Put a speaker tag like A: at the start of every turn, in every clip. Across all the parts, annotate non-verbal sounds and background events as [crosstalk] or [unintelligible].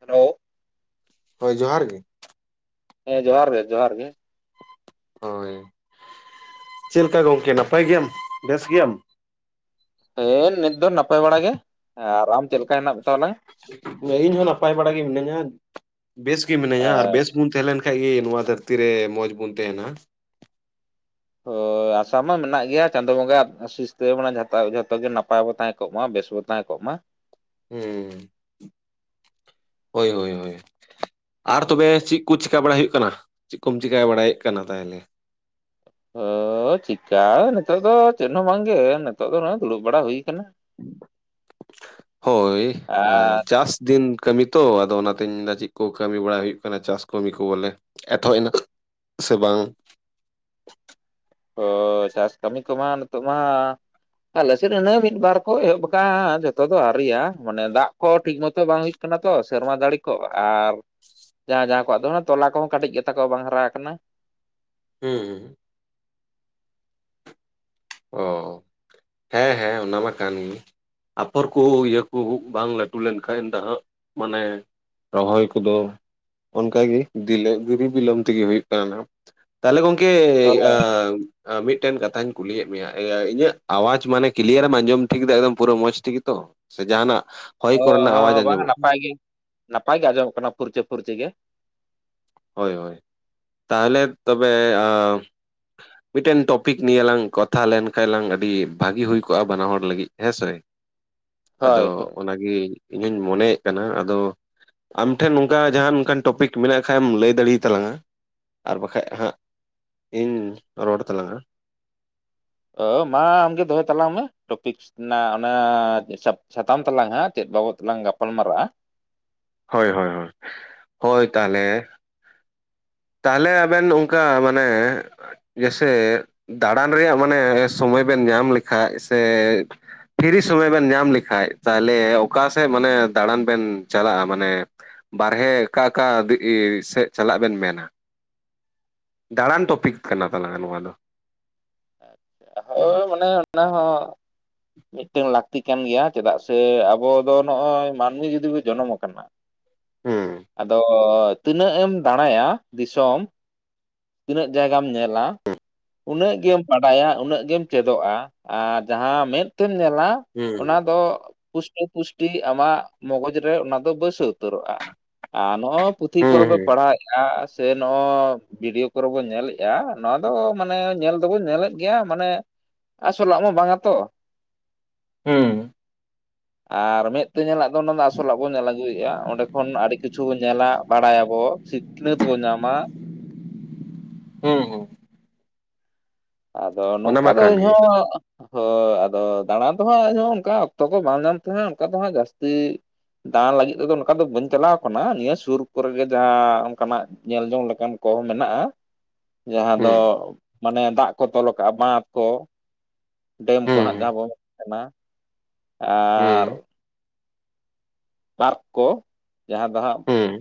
A: Hello
B: ᱦᱳᱭ ᱡᱚᱦᱟᱨ ᱜᱮ
A: ᱦᱮᱸ ᱡᱚᱦᱟᱨ ᱜᱮ ᱡᱚᱦᱟᱨ ᱜᱮ
B: ᱦᱳᱭ ᱪᱮᱜ ᱞᱮᱠᱟ ᱜᱚᱝᱠᱮ ᱱᱟᱯᱟᱭ ᱜᱮᱭᱟᱢ ᱵᱮᱥ ᱜᱮᱭᱟᱢ
A: ᱦᱮᱸ ᱱᱤᱛ ᱫᱚ ᱱᱟᱯᱟᱭ ᱵᱟᱲᱟ ᱜᱮ ᱟᱨ ᱟᱢ ᱪᱮᱫ ᱞᱮᱠᱟ ᱦᱮᱱᱟᱜ ᱢᱮ ᱛᱟᱦᱚᱞᱮ
B: ᱤᱧᱦᱚᱸ ᱱᱟᱯᱟᱭ ᱵᱟᱲᱟ ᱜᱮ ᱢᱤᱱᱟᱹᱧᱟ ᱵᱮᱥ ᱜᱮ ᱢᱤᱱᱟᱹᱧᱟ ᱟᱨ ᱵᱮᱥ [unintelligible] ᱛᱟᱦᱮᱸ ᱞᱮᱱ ᱠᱷᱟᱱ ᱜᱮ ᱱᱚᱣᱟ ᱫᱷᱟᱹᱨᱛᱤ ᱨᱮ ᱢᱚᱸᱡᱽ ᱵᱩᱱ ᱛᱟᱦᱮᱸᱱᱟ
A: [unintelligible] ᱟᱥᱟ ᱢᱟ ᱢᱮᱱᱟᱜ ᱜᱮᱭᱟ ᱪᱟᱸᱫᱳ ᱵᱚᱸᱜᱟ ᱟᱜ ᱟᱥᱤᱥᱛᱮ ᱡᱷᱚᱛᱚ ᱜᱮ ᱱᱟᱯᱟᱭ ᱵᱚ ᱛᱟᱦᱮᱸ ᱠᱚᱜ ᱢᱟ ᱵᱮᱥ ᱵᱚ ᱛᱟᱦᱮᱸ ᱠᱚᱜ ᱢᱟ
B: ᱦᱩᱸ ᱦᱳᱭ ᱦᱳᱭ ᱦᱳᱭ ᱟᱨ ᱛᱚᱵᱮ ᱪᱤᱜ ᱠᱩ ᱪᱮᱠᱟ ᱵᱟᱲᱟᱭ ᱦᱩᱭᱩᱜ ᱠᱟᱱᱟ ᱪᱮᱜ ᱠᱚᱢ ᱪᱮᱠᱟ ᱵᱟᱲᱟᱭᱮᱜ ᱠᱟᱱᱟ ᱛᱟᱦᱮᱞᱮ
A: ᱚᱻᱻ ᱪᱤᱠᱟ ᱱᱤᱛᱚᱜ ᱫᱚ ᱪᱮᱫ ᱦᱚᱸ ᱵᱟᱝᱜᱮ ᱱᱤᱛᱚᱜ ᱫᱚ ᱱᱚᱜ ᱚᱭ ᱫᱩᱲᱩᱵ ᱵᱟᱲᱟ ᱦᱩᱭ ᱠᱟᱱᱟ
B: ᱦᱳᱭ
A: ᱟᱨ
B: ᱪᱟᱥ ᱫᱤᱱ ᱠᱟᱹᱢᱤ ᱛᱚ ᱟᱫᱚ ᱚᱱᱟᱛᱮᱧ ᱢᱮᱱᱫᱟ ᱪᱮᱜ ᱠᱚ ᱠᱟᱹᱢᱤ ᱵᱟᱲᱟ ᱦᱩᱭᱩᱜ ᱠᱟᱱᱟ ᱪᱟᱥ ᱠᱟᱹᱢᱤ ᱠᱚ ᱵᱚᱞᱮ ᱮᱛᱚᱦᱚᱵ ᱮᱱᱟ ᱥᱮ ᱵᱟᱝ
A: [inaudible] ᱚᱻᱻ ᱪᱟᱥ ᱠᱟᱹᱢᱤ ᱠᱚᱢᱟ ᱱᱤᱛᱚᱜ ᱢᱟ ᱟᱞᱮᱥᱮᱫ ᱤᱱᱟᱹ ᱢᱤᱫ ᱵᱟᱨ ᱠᱚ ᱮᱦᱚᱵ ᱟᱠᱟᱜᱼᱟ ᱡᱚᱛᱚ ᱫᱚ ᱟᱹᱣᱨᱤᱭᱟ ᱢᱟᱱᱮ ᱫᱟᱜ ᱠᱚ ᱴᱷᱤᱠ ᱢᱚᱛᱚ ᱵᱟᱝ ᱦᱩᱭ ᱠᱟᱱᱟ ᱛᱚ ᱥᱮᱨᱢᱟ ᱡᱟᱹᱲᱤ ᱠᱚ ᱟᱨ ᱡᱟᱦᱟᱸ ᱡᱟᱦᱟᱸ ᱠᱚᱣᱟᱜ ᱫᱚ ᱛᱚᱞᱟ ᱠᱚᱦᱚᱸ ᱠᱟᱹᱴᱤᱡ ᱜᱮ ᱛᱟᱠᱚᱣᱟ ᱵᱟᱝ ᱦᱟᱨᱟ ᱟᱠᱟᱱᱟ
B: ᱦᱩᱸ ᱦᱩᱸ ᱚ
A: [inaudible]
B: ᱦᱮᱸ ᱦᱮᱸ ᱚᱱᱟ ᱢᱟ ᱠᱟᱱ ᱜᱮ ᱟᱯᱷᱚᱨ ᱠᱩᱦᱩ ᱤᱭᱟᱹ ᱠᱩᱦᱩ ᱵᱟᱝ ᱞᱟᱹᱴᱩ ᱞᱮᱱᱠᱷᱟᱡ ᱫᱚ ᱦᱟᱸᱜ ᱢᱟᱱᱮ ᱨᱚᱦᱚᱭ ᱠᱚᱫᱚ ᱚᱱᱠᱟᱜᱮ ᱫᱤᱞᱟᱹ ᱫᱤᱨᱤ ᱵᱤᱞᱚᱢ ᱛᱮᱜᱮ ᱦᱩᱭᱩᱜ ᱠᱟᱱᱟ ᱱᱟᱜ ᱛᱟᱦᱚᱞᱮ ᱜᱚᱝᱠᱮ
A: ᱦᱳᱭ
B: ᱢᱤᱜᱴᱮᱱ ᱠᱟᱛᱷᱟᱧ ᱠᱩᱞᱤᱭᱮᱫ ᱢᱮᱭᱟ ᱤᱧᱟᱜ ᱟᱣᱟᱡ ᱢᱟᱱᱮ ᱠᱞᱤᱭᱟᱨᱮᱢ ᱟᱸᱡᱚᱢ ᱴᱷᱤᱠ ᱫᱟ ᱮᱠᱫᱚᱢ ᱯᱩᱨᱟᱹ ᱢᱚᱸᱡᱽ ᱴᱷᱤᱠ ᱜᱮᱛᱚ ᱥᱮ ᱡᱟᱦᱟᱸᱱᱟᱜ
A: ᱚ ᱦᱚᱸ ᱵᱟᱝ ᱟ ᱱᱟᱯᱟᱭ ᱜᱮ ᱱᱟᱯᱟᱭ ᱜᱮ ᱟᱸᱡᱚᱢᱚᱜ ᱠᱟᱱᱟ ᱯᱷᱩᱨᱪᱟᱹ ᱯᱷᱩᱨᱪᱤ ᱜᱮ
B: ᱦᱳᱭ ᱦᱳᱭ ᱛᱟᱦᱚᱞᱮ ᱛᱚᱵᱮ ᱢᱤᱫᱴᱮᱱ ᱴᱚᱯᱤᱠ ᱱᱤᱭᱮ ᱞᱟᱝ ᱠᱟᱛᱷᱟ ᱞᱮᱱᱠᱷᱟᱱ ᱞᱟᱝ ᱟᱹᱰᱤ ᱵᱷᱟᱜᱤ ᱦᱩᱭ ᱠᱚᱜᱼᱟ ᱵᱟᱱᱟᱦᱚᱲ ᱞᱟᱹᱜᱤᱫ ᱦᱮᱸᱥᱮ
A: ᱦᱳᱭ
B: ᱟᱫᱚ
A: ᱦᱳᱭ
B: ᱚᱱᱟᱜᱮ ᱤᱧ ᱦᱚᱸᱧ ᱢᱚᱱᱮᱭᱮᱫ ᱠᱟᱱᱟ ᱟᱫᱚ ᱟᱢᱴᱷᱮᱱ ᱱᱚᱝᱠᱟ ᱡᱟᱦᱟᱸ ᱚᱱᱠᱟᱱ ᱴᱚᱯᱤᱠ ᱢᱮᱱᱟᱜ ᱠᱷᱟᱡ ᱮᱢ ᱞᱟᱹᱭ ᱫᱟᱲᱮᱭᱟᱜ ᱟᱛᱟᱞᱟᱝᱼᱟ ᱟᱨ ᱵᱟᱠᱷᱟᱡ ᱦᱟᱸᱜ ᱤᱧ ᱨᱚᱲ ᱛᱟᱞᱟᱝᱟ
A: ᱚ ᱢᱟ ᱟᱢᱜᱮ ᱫᱚᱦᱚᱭ ᱛᱟᱞᱟᱝ ᱢᱮ ᱴᱚᱯᱤᱠ ᱚᱱᱟ ᱚᱱᱟ ᱥᱟᱛᱟᱢ ᱛᱟᱞᱟᱝ ᱦᱟᱸᱜ ᱪᱮᱫ ᱵᱟᱵᱚᱫ ᱛᱮᱞᱟᱝ ᱜᱟᱯᱟᱞ ᱢᱟᱨᱟᱜᱼᱟ
B: ᱦᱳᱭ ᱦᱳᱭ ᱦᱳᱭ ᱦᱳᱭ ᱛᱟᱦᱞᱮ ᱛᱟᱦᱞᱮ ᱟᱵᱮᱱ ᱚᱱᱠᱟ ᱢᱟᱱᱮ ᱡᱮᱭᱥᱮ ᱫᱟᱬᱟᱱ ᱨᱮᱭᱟᱜ ᱢᱟᱱᱮ ᱥᱚᱢᱚᱭ ᱵᱮᱱ ᱧᱟᱢ ᱞᱮᱠᱷᱟᱡ ᱥᱮ ᱯᱷᱤᱨᱤ ᱥᱚᱢᱚᱭ ᱵᱮᱱ ᱧᱟᱢ ᱞᱮᱠᱷᱟᱡ ᱛᱟᱦᱞᱮ ᱚᱠᱟ ᱥᱮᱫ ᱢᱟᱱᱮ ᱫᱟᱬᱟᱱ ᱵᱮᱱ ᱪᱟᱞᱟᱜᱼᱟ ᱢᱟᱱᱮ ᱵᱟᱨᱦᱮ ᱚᱠᱟ ᱚᱠᱟ ᱥᱮᱫ ᱪᱟᱞᱟᱜ ᱵᱮᱱ ᱢᱮᱱᱟ ᱫᱟᱲᱟᱱ ᱴᱚᱯᱤᱠ ᱠᱟᱱᱟ ᱛᱟᱞᱟᱝ ᱱᱚᱣᱟ ᱫᱚ
A: [unintelligible] ᱦᱳ ᱢᱟᱱᱮ ᱚᱱᱟ ᱦᱚᱸ ᱢᱤᱫᱴᱮᱝ ᱞᱟᱹᱠᱛᱤ ᱠᱟᱱ ᱜᱮᱭᱟ ᱪᱮᱫᱟᱜ ᱥᱮ ᱟᱵᱚ ᱫᱚ ᱱᱚᱜᱼᱚᱭ ᱢᱟᱹᱱᱢᱤ ᱡᱩᱫᱤ ᱵᱚ ᱡᱚᱱᱚᱢ ᱠᱟᱱᱟ
B: ᱦᱩᱸ
A: ᱟᱫᱚ ᱛᱤᱱᱟᱹᱜ ᱮᱢ ᱫᱟᱬᱟᱭᱟ ᱫᱤᱥᱚᱢ ᱛᱤᱱᱟᱹᱜ ᱡᱟᱭᱜᱟᱢ ᱧᱮᱞᱟ ᱩᱱᱟᱹᱜ ᱜᱮᱢ ᱵᱟᱰᱟᱭᱟ ᱩᱱᱟᱹᱜ ᱜᱮᱢ ᱪᱮᱫᱚᱜᱼᱟ ᱟᱨ ᱡᱟᱦᱟᱸ ᱢᱮᱫ ᱛᱮᱢ ᱧᱮᱞᱟ ᱚᱱᱟ
B: ᱦᱩᱸ
A: ᱫᱚ ᱯᱩᱥᱴᱟᱹ ᱯᱩᱥ ᱟᱢᱟᱜ ᱢᱚᱜᱚᱡᱽ ᱨᱮ ᱚᱱᱟ ᱫᱚ ᱵᱟᱹᱭᱥᱟᱹᱣ ᱩᱛᱟᱹᱨᱚᱜᱼᱟ ᱟᱨ ᱱᱚᱜᱼᱚᱭ ᱯᱩᱛᱷᱤ
B: ᱦᱩᱸ
A: ᱠᱚᱨᱮ ᱵᱚ
B: ᱦᱩᱸ
A: ᱯᱟᱲᱦᱟᱣ ᱥᱮ ᱱᱚᱜᱚᱭ ᱵᱷᱤᱰᱤᱭᱳ ᱠᱚ ᱨᱮᱵᱚ ᱧᱮᱞᱮᱜᱼᱟ ᱱᱚᱣᱟ ᱫᱚ ᱢᱟᱱᱮ ᱧᱮᱞ ᱫᱚᱵᱚ ᱧᱮᱞᱮᱫ ᱜᱮᱭᱟ ᱢᱟᱱᱮ ᱟᱥᱚᱞᱟᱜ ᱢᱟ ᱵᱟᱝᱟ ᱛᱚ
B: ᱦᱩᱸ
A: ᱟᱨ ᱢᱮᱸᱫ ᱛᱮ ᱧᱮᱞᱟᱜ ᱫᱚ ᱚᱱᱟ ᱫᱚ ᱟᱥᱚᱞᱟᱜ ᱵᱚᱱ ᱧᱮᱞ ᱟᱹᱜᱩᱭᱮᱫᱼᱟ ᱚᱸᱰᱮ ᱠᱷᱚᱱ ᱟᱹᱰᱤ ᱠᱤᱪᱷᱩ ᱵᱚᱱ ᱧᱮᱞᱟ ᱵᱟᱲᱟᱭᱟᱵᱚ ᱥᱤᱠᱷᱱᱟᱹᱛ ᱵᱚ ᱧᱟᱢᱟ
B: ᱦᱩᱸ ᱦᱩᱸ
A: ᱟᱫᱚ
B: ᱚᱱᱟ
A: ᱱᱚᱝᱠᱟ
B: ᱢᱟ
A: ᱫᱚ
B: ᱠᱟᱱ ᱜᱮ
A: ᱤᱧᱦᱚᱸ ᱦᱳᱭ ᱟᱫᱚ ᱫᱟᱬᱟ ᱫᱚᱦᱟᱸᱜ ᱤᱧᱦᱚᱸ ᱚᱱᱠᱟ ᱚᱠᱛᱚ ᱠᱚ ᱵᱟᱝ ᱧᱟᱢ ᱛᱮᱦᱟᱸᱜ ᱚᱱᱠᱟ ᱫᱚ ᱦᱟᱸᱜ ᱡᱟᱹᱥᱛᱤ ᱫᱟᱬᱟᱱ ᱞᱟᱹᱜᱤᱫ ᱛᱮᱫᱚ ᱱᱚᱝᱠᱟ ᱫᱚ ᱵᱟᱹᱧ ᱪᱟᱞᱟᱣ ᱠᱟᱱᱟ ᱱᱤᱭᱟᱹ ᱥᱩᱨ ᱠᱚᱨᱮᱜᱮ ᱡᱟᱦᱟᱸ ᱚᱱᱠᱟᱱᱟᱜ ᱧᱮᱞᱡᱚᱝ ᱞᱮᱠᱟᱱ ᱠᱚ ᱢᱮᱱᱟᱜᱼᱟ ᱡᱟᱦᱟᱸ ᱫᱚ
B: ᱦᱩᱸ
A: ᱢᱟᱱᱮ ᱫᱟᱜ ᱠᱚ ᱛᱚᱞ ᱠᱟᱜᱼᱟ ᱵᱟᱸᱫᱷ ᱠᱚ ᱰᱮᱢ ᱠᱚ ᱦᱟᱸᱜ
B: ᱦᱩᱸ
A: ᱡᱟᱦᱟᱸ ᱵᱚ ᱢᱮᱛᱟᱜ ᱠᱟᱱᱟ ᱟᱨ
B: ᱦᱩᱸ
A: ᱯᱟᱨᱠ ᱠᱚ ᱡᱟᱦᱟᱸ ᱫᱚ ᱦᱟᱸᱜ
B: ᱦᱩᱸ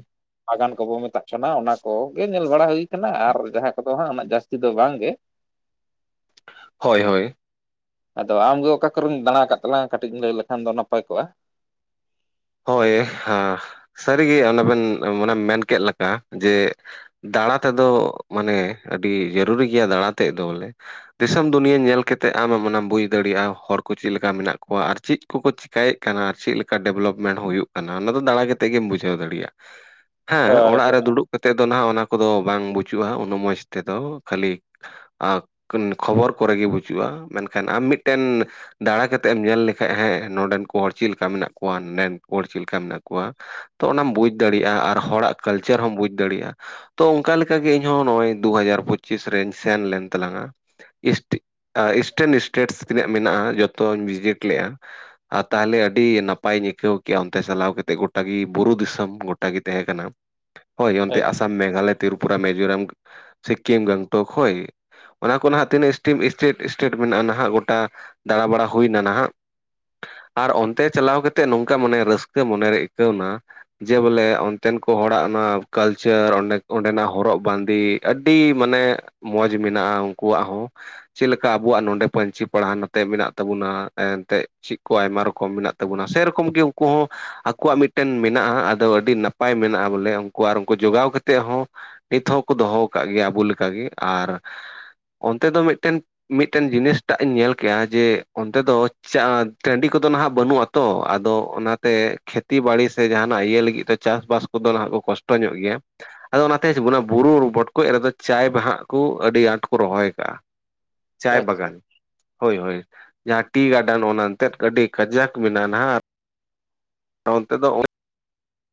A: ᱵᱟᱜᱟᱱ ᱠᱚᱵᱚ ᱢᱮᱛᱟᱜ ᱠᱟᱱᱟ ᱚᱱᱟ ᱠᱚᱜᱮ ᱧᱮᱞ ᱵᱟᱲᱟ ᱦᱩᱭ ᱠᱟᱱᱟ ᱟᱨ ᱡᱟᱦᱟᱸ ᱠᱚᱫᱚ ᱦᱟᱸᱜ ᱩᱱᱟᱹᱜ ᱡᱟᱹᱥᱛᱤ ᱫᱚ ᱵᱟᱝ ᱜᱮ [inaudible]
B: ᱦᱳᱭ ᱦᱳᱭ
A: ᱟᱫᱚ ᱟᱢ ᱜᱮ ᱚᱠᱟ ᱠᱚᱨᱮᱢ ᱫᱟᱬᱟ ᱟᱠᱟᱫ ᱛᱟᱞᱟᱝᱼᱟ ᱠᱟᱹᱴᱤᱡ ᱮᱢ ᱞᱟᱹᱭ ᱞᱮᱠᱷᱟᱱ ᱫᱚ ᱱᱟᱯᱟᱭ ᱠᱚᱜᱼᱟ
B: ᱦᱳᱭ ᱥᱟᱹᱨᱤᱜᱮ ᱚᱱᱟ ᱵᱮᱱ ᱢᱟᱱᱮ ᱢᱮᱱ ᱠᱮᱫ ᱞᱮᱠᱟ ᱡᱮ ᱫᱟᱬᱟ ᱛᱮᱫᱚ ᱢᱟᱱᱮ ᱟᱹᱰᱤ ᱡᱟᱹᱨᱩᱨᱤ ᱜᱮᱭᱟ ᱫᱟᱬᱟ ᱛᱮᱫ ᱫᱚ ᱵᱚᱞᱮ ᱫᱤᱥᱚᱢ ᱫᱩᱱᱤᱭᱟᱹ ᱧᱮᱞ ᱠᱟᱛᱮᱫ ᱟᱢᱮᱢ ᱚᱱᱟᱢ ᱵᱩᱡ ᱫᱟᱲᱮᱭᱟᱜᱼᱟ ᱦᱚᱲ ᱠᱚ ᱪᱮᱫ ᱞᱮᱠᱟ ᱢᱮᱱᱟᱜ ᱠᱚᱣᱟ ᱟᱨ ᱪᱮᱫ ᱠᱩᱠᱩ ᱪᱤᱠᱟᱭᱮᱫ ᱠᱟᱱᱟ ᱟᱨ ᱪᱮᱫ ᱞᱮᱠᱟ ᱰᱮᱵᱷᱞᱚᱯ ᱢᱮᱱ ᱦᱩᱭᱩᱜ ᱠᱟᱱᱟ ᱚᱱᱟ ᱫᱚ ᱫᱟᱬᱟ ᱠᱟᱛᱮ ᱜᱮᱢ ᱵᱩᱡᱷᱟᱹᱣ ᱫᱟᱲᱮᱭᱟᱜᱼᱟ ᱦᱮᱸ
A: ᱦᱳᱭ
B: ᱚᱲᱟᱜ ᱨᱮ ᱫᱩᱲᱩᱵ ᱠᱟᱛᱮᱫ ᱫᱚ ᱱᱟᱦᱟᱜ ᱚᱱᱟ ᱠᱚᱫᱚ ᱵᱟᱝ ᱵᱩᱪᱩᱜᱼᱟ ᱩᱱᱟᱹᱜ ᱢᱚᱡᱽ ᱛᱮᱫᱚ ᱠᱷᱟᱹᱞᱤ ᱠᱷᱚᱵᱚᱨ ᱠᱚᱨᱮ ᱜᱮ ᱵᱩᱡᱩᱜᱼᱟ ᱢᱮᱱᱠᱷᱟᱱ ᱟᱢ ᱢᱤᱫᱴᱮᱱ ᱫᱟᱬᱟ ᱠᱟᱛᱮᱫ ᱮᱢ ᱧᱮᱞ ᱞᱮᱠᱷᱟᱡ ᱦᱮᱸ ᱱᱚᱰᱮᱱ ᱠᱚ ᱦᱚᱲ ᱪᱮᱫ ᱞᱮᱠᱟ ᱢᱮᱱᱟᱜ ᱠᱚᱣᱟ ᱱᱚᱰᱮᱱ ᱦᱚᱲ ᱪᱮᱫ ᱞᱮᱠᱟ ᱢᱮᱱᱟᱜ ᱠᱚᱣᱟ ᱛᱚ ᱚᱱᱟᱢ ᱵᱩᱡᱽ ᱫᱟᱲᱮᱭᱟᱜᱼᱟ ᱟᱨ ᱦᱚᱲᱟᱜ ᱠᱟᱞᱪᱟᱨ ᱦᱚᱸᱢ ᱵᱩᱡᱽ ᱫᱟᱲᱮᱭᱟᱜᱼᱟ ᱛᱚ ᱚᱱᱠᱟ ᱞᱮᱠᱟᱜᱮ ᱤᱧᱦᱚᱸ ᱱᱚᱜᱚᱭ ᱫᱩ ᱦᱟᱡᱟᱨ ᱯᱚᱸᱪᱤᱥ ᱨᱮᱧ ᱥᱮᱱ ᱞᱮᱱ ᱛᱟᱞᱟᱝᱼᱟ ᱤᱥᱴ ᱤᱥᱴᱮᱱ ᱤᱥᱴᱮᱴᱥ ᱛᱤᱱᱟᱹᱜ ᱢᱮᱱᱟᱜᱼᱟ ᱡᱚᱛᱚᱧ ᱵᱷᱤᱡᱤᱴ ᱞᱮᱜᱼᱟ ᱟᱨ ᱛᱟᱦᱞᱮ ᱟᱹᱰᱤ ᱱᱟᱯ ᱯᱟᱭ ᱤᱧ ᱟᱹᱭᱠᱟᱹᱣ ᱠᱮᱜᱼᱟ ᱚᱱᱛᱮ ᱪᱟᱞᱟᱣ ᱠᱟᱛᱮ ᱜᱚᱴᱟ ᱜᱮ ᱵᱩᱨᱩ ᱫᱤᱥᱚᱢ ᱜᱚᱴᱟ ᱜᱮ ᱛᱟᱦᱮᱸ ᱠᱟᱱᱟ ᱦᱳᱭ ᱚᱱᱛᱮ ᱟᱥ ᱢᱮᱜᱷᱟᱞᱚᱭ ᱛᱨᱤᱯᱩᱨᱨᱟ ᱢᱤᱡᱳᱨᱟᱢ ᱥᱠᱤᱢ ᱜᱚᱝᱴᱳᱠ ᱠᱷᱚᱡ ᱚᱱᱟ ᱠᱚ ᱱᱟᱜ ᱛᱤᱱᱟᱹᱜ ᱤᱥᱴᱤᱢ ᱥᱢᱴᱮᱴ ᱥᱴᱮᱴ ᱢᱮᱱᱟᱜᱼᱟ ᱱᱟᱦᱟᱜ ᱜᱚᱴᱟ ᱫᱟᱵ ᱵᱟᱲᱟᱟ ᱦᱩᱭ ᱱᱟᱦᱟᱜ ᱟᱨ ᱚᱱᱛᱮ ᱪᱟᱞᱟᱣ ᱠᱟᱛᱮᱫ ᱱᱚᱝᱠᱟ ᱢᱟᱱᱮ ᱨᱟᱹᱥᱠᱟᱹ ᱢᱚᱱᱮᱨᱮ ᱟᱹᱭᱠᱟᱹᱣᱱᱟ ᱡᱮ ᱵᱚᱞᱮ ᱚᱱᱛᱮᱱ ᱠᱚ ᱦᱚᱲᱟᱜ ᱚᱱᱟ ᱠᱟᱞᱪᱟᱨᱸ ᱚᱸᱰᱮᱱᱟᱜ ᱦᱚᱨᱚᱜ ᱵᱟᱸᱫᱮ ᱟᱹᱰᱤ ᱢᱟᱱᱮ ᱢᱚᱡᱽ ᱢᱮᱱᱟᱜᱼᱟ ᱩᱱᱠᱩᱣᱟᱜ ᱦᱚᱸ ᱪᱮᱫ ᱞᱮᱠᱟ ᱟᱵᱚᱣᱟᱜ ᱱᱚᱰᱮ ᱯᱟᱹᱧᱪᱤ ᱯᱟᱲᱦᱟ ᱱᱚᱛᱮ ᱢᱮᱱᱟᱜ ᱛᱟᱵᱚᱱᱟ ᱮᱱᱛᱮᱫ ᱪᱮᱫ ᱠᱚ ᱟᱭᱢᱟ ᱨᱚᱠᱚᱢ ᱢᱮᱱᱟᱜ ᱛᱟᱵᱚᱱᱟ ᱥᱮᱨᱚᱠᱚᱢ ᱠᱚᱢ ᱜᱮ ᱩᱱᱠᱩ ᱦᱚᱸ ᱟᱠᱚᱣᱟᱜ ᱢᱤᱫᱴᱮᱱ ᱢᱮᱱᱟᱜᱼᱟ ᱟᱫᱚ ᱟᱹᱰᱤ ᱱᱟᱯᱟᱭ ᱢᱮᱱᱟᱜᱼᱟ ᱵᱚᱞᱮ ᱩᱱᱠᱩ ᱟᱨ ᱩᱱᱠᱩ ᱡᱚᱜᱟᱣ ᱠᱟᱛᱮᱫ ᱦᱚᱸ ᱱᱤᱛ ᱦᱚᱸᱠᱚ ᱫᱚᱦᱚ ᱟᱠᱟᱫ ᱜᱮᱭᱟ ᱟᱵᱚ ᱞᱮᱠᱟᱜᱮ ᱟᱨ ᱚᱱᱛᱮ ᱫᱚ ᱢᱤᱫᱴᱮᱱ ᱢᱤᱫᱴᱮᱱ ᱡᱤᱱᱤᱥᱴᱟᱜ ᱤᱧ ᱧᱮᱞ ᱠᱮᱜᱼᱟ ᱡᱮ ᱚᱱᱛᱮ ᱫᱚ ᱪᱟ ᱴᱟᱺᱰᱤ ᱠᱚᱫᱚ ᱱᱟ-ᱸᱦᱟᱜ ᱵᱟᱹᱱᱩᱜ ᱟᱛᱚ ᱟᱫᱚ ᱚᱱᱟᱛᱮ ᱠᱷᱮᱛᱤ ᱵᱟᱲᱤ ᱥᱮ ᱡᱟᱦᱟᱱᱟᱜ ᱤᱭᱟᱹ ᱞᱟᱹᱜᱤᱫ ᱛᱮ ᱪᱟᱥᱵᱟᱥ ᱠᱚᱫᱚ ᱱᱟ-ᱦᱟᱸᱜ ᱠᱚ ᱠᱚᱥᱴᱚ ᱧᱚᱜ ᱜᱮᱭᱟ ᱟᱫᱚ ᱚᱱᱟᱛᱮ ᱚᱱᱟ ᱵᱩᱨᱩ ᱵᱚᱴᱠᱚᱡ ᱨᱮᱫᱚ ᱪᱟᱭ ᱵᱟᱦᱟᱜ ᱠᱚ ᱟᱹᱰᱤ ᱟᱸᱴ ᱠᱚ ᱨᱚᱦᱚᱭ ᱟᱠᱟᱜᱼᱟ
A: [inaudible]
B: ᱪᱟᱭ ᱵᱟᱜᱟᱱ ᱦᱳᱭ ᱦᱳᱭ ᱡᱟᱦᱟᱸ ᱴᱤ ᱜᱟᱨᱰᱮᱱ ᱚᱱᱟ ᱮᱱᱛᱮᱫ ᱟᱹᱰᱤ ᱠᱟᱡᱟᱠ ᱢᱮᱱᱟᱜᱼᱟ ᱱᱟ-ᱦᱟᱸᱜ ᱚᱱᱛᱮ ᱫᱚ